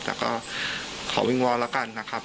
แต่ก็ขอวิงวอนแล้วกันนะครับ